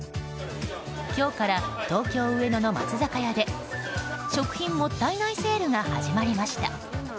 今日から東京・上野の松坂屋で食品もったいないセールが始まりました。